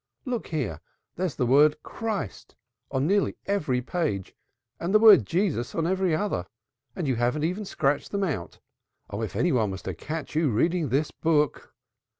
Look here! There's the word 'Christ' on nearly every page, and the word 'Jesus' on every other. And you haven't even scratched them out! Oh, if any one was to catch you reading this book!"